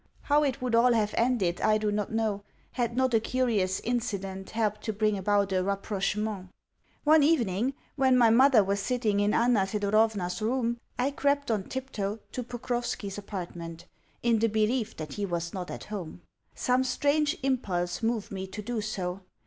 How it would all have ended I do not know, had not a curious incident helped to bring about a rapprochement. One evening, when my mother was sitting in Anna Thedorovna's room, I crept on tiptoe to Pokrovski's apartment, in the belief that he was not at home. Some strange impulse moved me to do so.